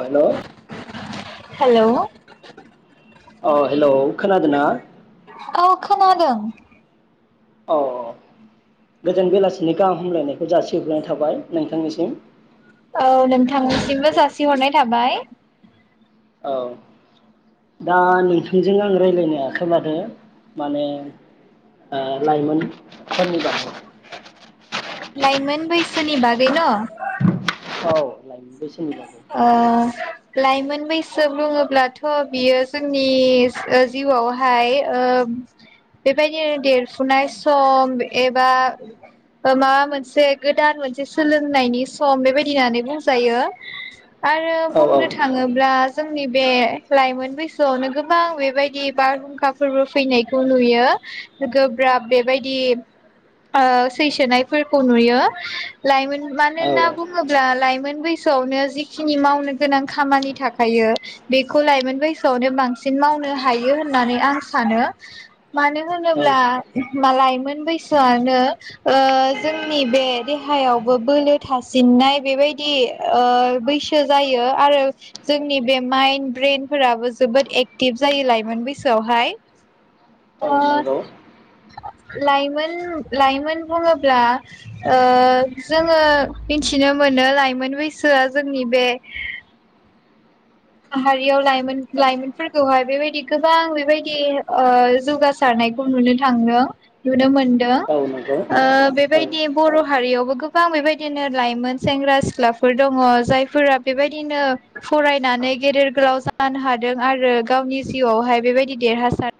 Hello hello औ hello खोनादोंना खोनादों अ गोजोन बेलासिनि गाहाम हामलायनायखौ जासिहरग्रोनाय थाबाय नोंथांनिसिम औ नोंथांसिमबो जासिहरनाय थाबाय औ दा नोंथांजों आं रायलायनो आखायाव लादों माने ओ लाइमोनफोरनि बारै लाइमोन बैसोनि बागै न' औ लायमोन बैसोनि बागै ओ लाइमोन बैसो बुङोब्लाथ' बियो जोंनि ओ जिउआवहाय ओ बेबायदिनो देरफुनाय सम एबा माबा मोनसे गोदान मोनसे सोलोंनायनि सम बेबायदि होननानै बुंजायो आरो औ औ बुंनो थाङोब्ला जोंनि बे लाइमोन बैसोआवनो गोबां बेबायदि बारहुंखा फोरबो फैनायखौ नुयो गोब्राब बेबायदि ओ सैसोनायफोरखौ नुयो लाइमोन मानोना औ बुङोब्ला लाइमोन गोसोआवनो जिखिनि मावनो गोनां खामानि थाखायो बेखौ लाइमोन बैसोआवनो बांसिन मावनो हायो होननानै आं सानो मानो औ होनोब्ला लाइमोन बैसोआनो ओ जोंनि बे देहायावबो बोलो थासिननाय बेबायदि ओ बैसो जायो आरो जोंनि बे माइन्द ब्रेनफोराबो जोबोद एक्टिभ जायो लाइमोन बैसोआवहाय औ ओ नंगौ लाइमोन लाइमोन बुङोब्ला ओ जोङो मिथिनो मोनो लाइमोन बै गोसोआ जोंनि बे माहारियाव लाइमोन लाइमोनफोरखौहाय बेबायदि गोबां बेबायदि ओ जौगासारनायखौ नुनो थांदों नुनो मोन दो औ नंगौ ओ औ बेबायदि बर' हारियावबो गोबां बेबायदिनो लाइमोन सेंग्रा सिख्लाफोर दङ जायफोरा बेबायदिनो फरायनानै गेदेर गोलाव जानो हादों आरो गावनि जिउआवहाय बेबायदि देरहासार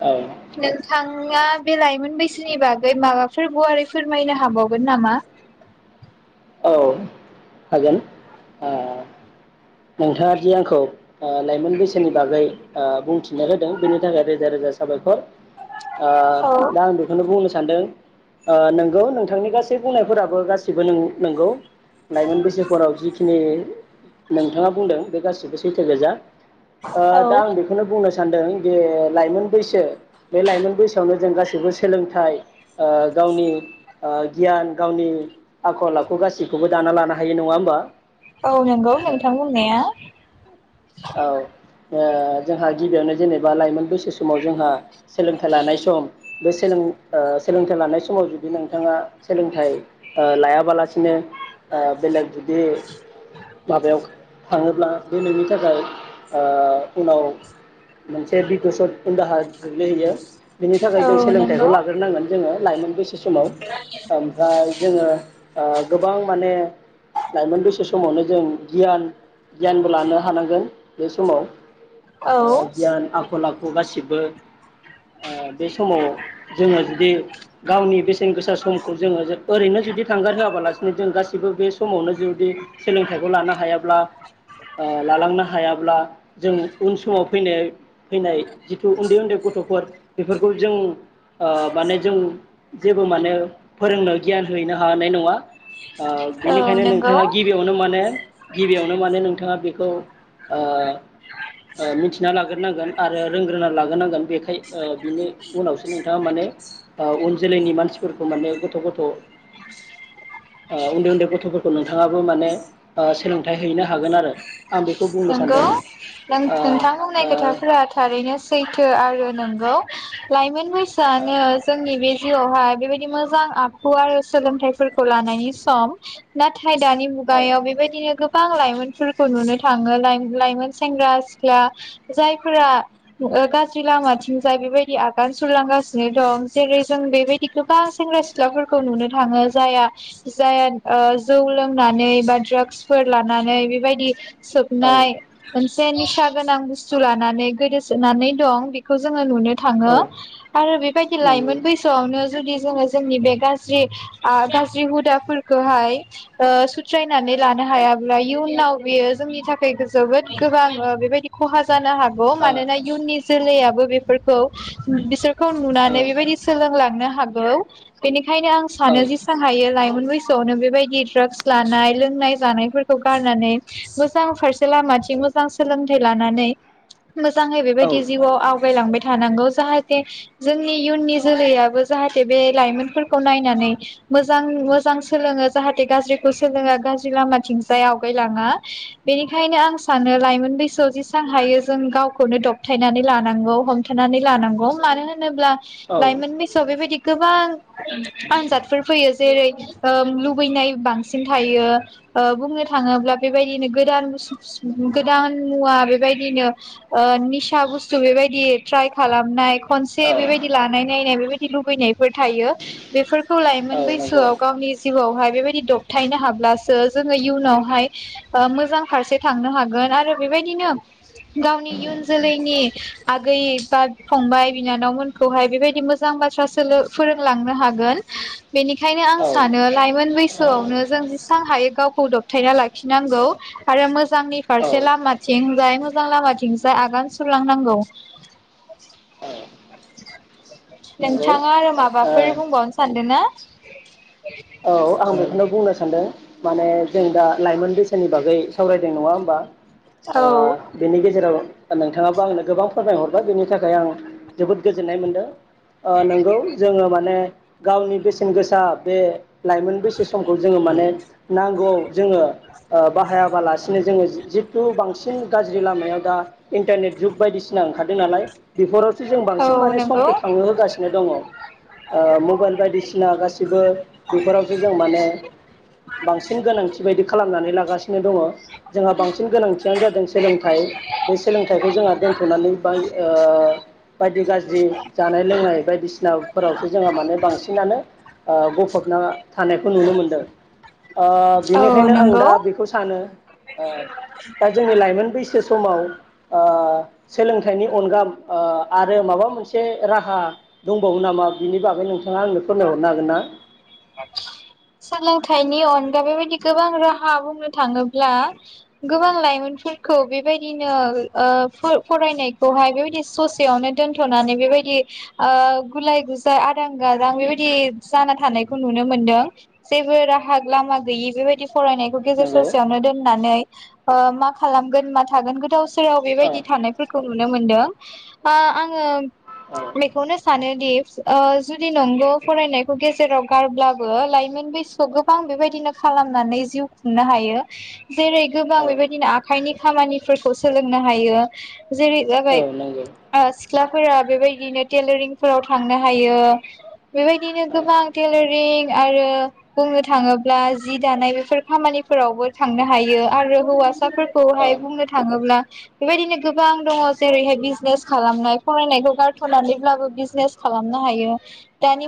औ नोंथाङा बे लाइमोन बैसोनि बागै माबाफोर गुवारै फोरमायनो हाबावगोन नामा औ हागोन ओ नोंथाङा दि आंखौ लाइमोन बैसोनि बागै ओ बुंथिनो होदों बेनि थाखाय रोजा रोजा साबायखर आ औ दं बेखनो बुंनो सा सानदों ओ नंगौ नोंथांनि गासै बुंनायफोराबो गासिबो नं नंगौ लाइमोन बैसोफोराव जिखि स्नि नोंथाङा बुंदों बे गासिबो सैथो गोजा ओ औ दा आं बेखौनो बुंनो सान सानदों जे लाइमोन बैसो बे लाइमोन बैसोआवनो जों गासैबो सोलोंथाइ ओ गावनि ओ गियान गावनि आखल आखु गासैखौबो दाना लानो हायो नङा होमबा औ नंगौ नोंथां बुंनाया औ ओ जोंहा गिबियावनो जेनेबा लाइमोन बैसो समाव जोंहा सोलोंथाइ लानाय सम बे सोलों ओ सोलोंथाइ लानाय समाव जुदि नोंथाङा सोलोंथाइ ओ लाया बालासिनो ओ बेलेग जुदि माबायाव थाङोब्ला बे नोंनि थाखाय ओ उनाव मोनसे बिबसत उन दाहा गोग्लैहैयो बिनि थाखाय औ जों सोलोंथाइखौ नंगौ लाग्रोनांगोन जोङो लाइमोन बैसो थि समाव ओमफ्राय जोङो ओ गोबां माने लाइमोन बैसो समावनो जों गियान गियानबो लानो हानांगोन बे समाव औ ओ गियान आखल आखु खौ गासिबो ओ बे समाव जोङो जुदि गावनि बेसेन गोसा समखौ जोङो ओरैनो जुदि थांगार होआबालासिनो जों गासिबो बे समावनो जुदि सोलोंथाइखौ लानो हा हायाब्ला ओ लालांनो हायाब्ला जों उन समाव फैनाय फैनाय जिथु उन्दै उन्दै गथ'फोर बेफोरखौ जों ओ माने जों जेबो माने फोरोंनो गियान हैनो हानाय नङा ओ बेनिखायनो नंगौ नोंथाङा गिबियावनो माने गिबियावनो मानो नों नोंथाङा बेखौ ओ ओ मिथिना लाग्रोनांगोन आरो रोंग्रोना लाग्रोनांगोन बेखाय बिनि उनावसो नोंथाङा माने ओ उन जोलैनि मानसिफोरखौ माने गथ' गथ' ओ उन्दै उन्दै गथ'फोरखौ नोंथाङाबो माने ओ सोलों थाय हैनो हागोन आरो नोंगौ सानदों नों नोंथां बुंनाय ओ खोथाफोरा थारैनो सैथो आरो नोंगौ लाइमोन बै सो आनो जोंनि बे जिउ आवहा बेबायदि मोजां आखु आरो सोलोंथाइफोरखौ लानायनि सम नाथ थाय दानि ओ मुगायाव बेबायदिनो गो बां लाइमोनफोरखौ नुनो थाङो लाइ लाइमोन सेंग्रा सिख्ला जायफोरा गाज्रि ओ लामाथिंजाय बेबायदि आगान सुरलांगासिनो दं जेरै जों बेबायदि गोबां सेंग्रा सिख्लाफोरखौ नुनो थाङो जाया जाया ओ जौ लोंनानै बा द्रागस फोर लानानै बेबायदि औ सोफनाय ओन जे निसा गोनां बुस्थु लानानै गोदोसोनानै दं बेखौ जोङो नुनो थाङो औ आरो बेबायदि नंगौ लाइमोन बैसोआवनो जुदि जोङो जोंनि बे गाज्रि आ गाज्रि हुदाफोरखौहाय सुथ्रायनानै लानो हायाब्ला इयुनाव बियो जोंनि थाखैय जोबोद गोबां बेबायदि खहा जानो हागौ ओ मानोना इयुननि जोलैयाबो बेफोरखौ बिसोर खौ औ नुनानै बेबायदि सोलोंलांनो हागौ बेनि खायनो आं सानो जेसां हायो लाइमोन बैसोआवनो बेबायदि ड्रागस लानाय लोंनाय जानायफोरखौ गारनानै दस मोजां फारसे लामाथिं मोजां सोलोंथाइ लानानै मोजाङै बेबायदि जिउआव आवगायलांबाय थानांगौ जाहाथे जोंनि इयुननि जोलैयाबो जाहाथे बे लाइमोनफोरखौ नायनानै मोजां मोजां सोलोङो जाहाथे गाज्रिखौ सोलोङा गाज्रि लामाथिंजाय आवगायलाङा बेनिखायनो आं सानो लाइमोन बैसोआव जेसां हायो जों गावखौनो दबथायनानै लानांगौ हमथानानै लानांगौ मानो होन नोब्ला लाइमोन बैसोआव बेबायदि गोबां आनजादफोर फैयो जेरै ओ लुबैनाय बांसिन थायो ओ बुंनो थाङोब्ला बेबायदिनो गोदान [unintelligible] गोदान मुवा बेबायदिनो निसा बुस्थु बेबायदि ट्राय खालामनाय खनसे औ बेबायदि लानाय नायनाय बेबायदि लुबैनायफोर थायो बेफोरखौ लाइमोन नंगौ बैसोआव गावनि जिउआवहाय बेबायदि दबथायनो हाब्लासो जोङो इयुनावहाय ओ मोजां फारसे थांनो हागोन आरो बेबायदिनो गावनि इयुन जोलैनि आगै बा फंबाय बिनानावमोनखौहाय बेबायदि मोजां बाथ्रा सोलो फोरोंलांनो हागोन बेनिखायनो आं औ सानो लाइमोन बैसोआवनो जों जेसेबां हायो गावखौ दबथायना लाखि नां गौ आरो मोजांनि फारसे लामाथिंजाय मोजां लामाथिंजाय आगान सुरलांनांगौ औ नंगौ नोंथाङा आरो माबा फोर ओ बुंबावनो सानदों ना औ आं बेखौनो बुंनो सानदों माने जों दा लाइमोन बैसोनि बागै सावरायदों नङा होमबा औ ओ बेनि गेजेराव नोंथाङाबो आंनो गोबां फोरमायहरबाय बेनि थाखाय आं जोबोद गोजोननाय मोनदों ओ नंगौ जोङो माने गावनि बेसेन गोसा बे लाइमोन बैसो समखौ जोङो माने नांगौआव जोङो ओ बाहायाबालासिनो जोङो जि जिथु बांसिन गाज्रि लामायाव दा इन्टारनेट जुग बायदिसिना ओंखारदों नालाय बेफोरावसो जों औ बांसिन माने नंगौ समखौ थांनो होगासिनो दङ ओ मबाइल बायदिसिना गासिबो बेफोरावसो जों माने बांसिन गोनांथि बायदि खालामनानै लागासिनो दङ जोंहा बांसिन गोनांथियानो जादों सोलोंथाइ बे सोलोंथाइखौ जोंहा दोनथ'नानै बाय ओ बायदि गाज्रि जानाय लोंनाय बायदिसिनाफोरावसो जोंहा माने बांसिनानो गफ फबना थानायखौ नुनो मोनदों ओ औ बिनिखायनो आं दा नंगौ बेखौ सानो ओ दा जोंनि लाइमोन बैसो समाव ओ सोलोंथाइनि अनगा ओ आरो माबा मोनसे राहा दंबावो नामा बिनि बागै नोंथाङा आंनो फोरमायहरनो हागोन ना सोलोंथाइनि अनगा बेबायदि गोबां राहा बुंनो थाङोब्ला गोबां लाइमोनफोरखौ बेबायदिनो ओ फोर फरायनायखौहाय बेबायदि ससेयावनो दोनथ'नानै बेबायदि ओ गुलाय गुजाय आदां गादां बेबायदि जाना थानाय खौ नुनो मोनदों जेबो राहा लामा गैयै बेबायदि फरायनायखौ गेजेर नंगौ ससेयावनो दोननानै ओ मा खालामगोन मा थागोन गोदाव सो बेयाव औ बेबायदि थानायफोरखौ खौ नुनो मोनदों ओ आङो औ बेखौनो सानो दि ओ जुदि नोंगौ फरायनायखौ गेजेराव गारब्लाबो लाइमोन बैसोआव गोबां बेबायदिनो खालामनानै जिउ खुंनो हायो जेरै औ गोबां बेबायदिनो आखाइनि खामानिफोरखौ सोलोंनो हायो जेरै औ जाबाय नंगौ ओ सिख्लाफोरा बेबायदिनो टेलारिंफोराव थांनो हायो बेबायदिनो औ गोबां टेलारिं आरो बुंनो थाङोब्ला जि दानाय बेफोर खामानिफोरावबो थांनो हायो आरो हौवासा औ फिसाफोरखौहाय बुंनो थाङोब्ला बेबायदिनो गोबां दङ जेरैहाय बिजनेस खालामनाय फरायनायखौ गारथ'नानैब्लाबो बिजनेस खालामनो हायो दानि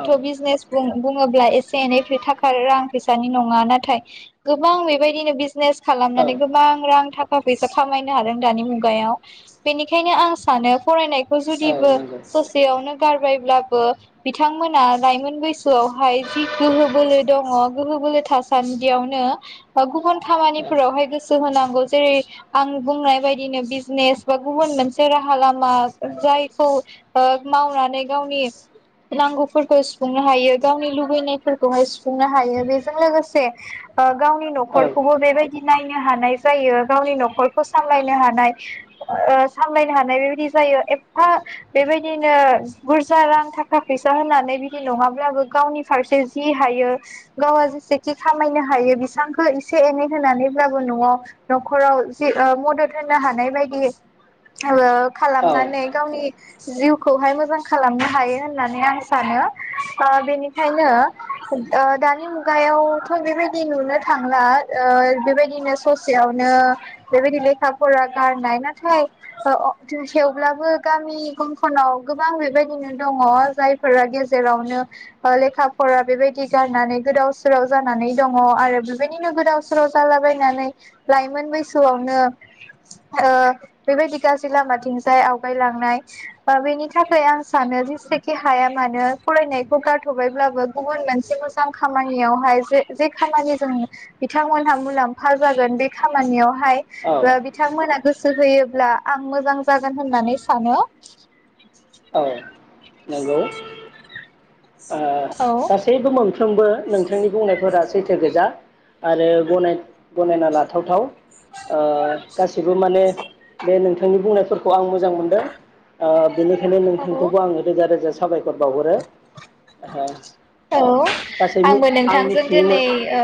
औ बिज बिजनेस बुं बुङोब्ला एसे एनै खोथा थाखा रां फैसानि नङा नाथाय गोबां बेबायदिनो बिज बिजनेस औ खालामनानै गोबां रां थाख थाखा फैसा खामायनो हादों दानि मुगायाव बेनिखायनो आं सानो फरायनायखौ औ जुदिबो नंगौ ससेयावनो गारबायब्लाबो बिथांमोना लाइमोन बैसोआवहाय जि गोहो बोलो दङ गोहो बोलो थासान्दियावनो बा गुबुन औ खामानिफोरावहाय गोसो होनांगौ जेरै आं बुंनाय बायदिनो बिजनेस बा गुबुन मोनसे राहा लामा जायखौ ओ मावनानै गावनि नांगौफोरखौ सुफुं सुफुंनो हायो गावनि लुबैनायफोरखौहाय सुफुंनो हायो बेजों लोगोसे ओ गावनि औ न'खरखौबो बेबायदि बि नायनो हानाय जायो गावनि न'खरखौ सामलायनो हानाय ओ सामलायनो हानाय बेबायदि जायो एफा बेबायदिनो बुरजा रां थाखा फैसा होननानै बि नङाब्लाबो गावनि फारसे जि हायो गावआ जेसेखि खामायनो हायो बिसबांखो एसे एनै होनानैब्लाबो न'आव न'खराव जि ओ मदद होनो हानाय बायदि ओ खालामनानै गावनि जिउखौहाय मोजां खालामनो हायो होननानै आं सानो ओ बेनिखायनो दानि मुगायावथ' बेबायदि थ नुनो थांला बेबायदिनो ससेयावनो बेबायदि लेखा फरा गारनाय नाथाय अ अ थेवब्लाबो गामि गंफोर नाव गोबां बेबायदिनो दङ जायफोरा गेजे जेरावनो लेखा फरा बेबायदि गारनानै गोदाव सोराव जानानै दङ आरो बेबायदिनो गोदाव सोराव जालाबायनानै लाइमोन बैसोआवनो ओ बेबायदि गाज्रि लामाथिंजाय आवगायलांनाय बेनि थाखाय आं सानो जेसेखि हाया मानो फरायनायखौ गारथ'बायब्लाबो गुबुन मोनसे मोजां खामानियावहाय जे जे खामानिजों बिथांमोनहा मुलाम्फा जागोन बे खामानियाव हाय औ बिथांमोना गोसो होयोब्ला आं मोजां जागोन होननानै सानो औ नंगौ ओ औ गासैबो मोन साफ्रोमबो नोंथांनि बुंनायफोरा सैथो गोजा आरो गनाय गनायना लाथाव थाव गासिबो माने बे नोंथांनि बुंनायफोरखौ आं मोज मोजां मोनदों ओ बेनिखायनो नोंथांखौबो आङो रोजा रोजा साबायखर बावहरो हा औ आंबो नोंथांजों मिथिनो मो दिनै ओ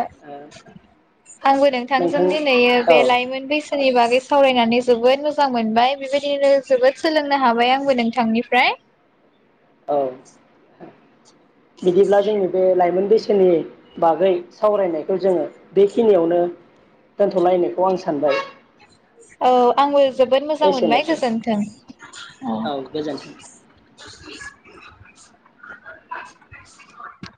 आंबो नोंथांजों नोंथां दिनैयै औ बे लाइमोन बैसो नि बागै सावरायनानै जोबोद मोजां मोनबाय बेबायदिनो जोबोद सोलोंनो हाबाय आंबो नोंथांनिफ्राय औ बिदिब्ला जोंनि बे लाइमोन बैसोनि बागै सावरायनायखौ जोङो बेखिनियावनो दोनथ'लायनायखौ आं सानबाय औ आंबो जोबोद मोजां मोनबाय एसेनोसै। गोजोनथों औ [inaudible]